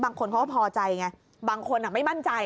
บางคนเขาก็พอใจไงบางคนไม่มั่นใจ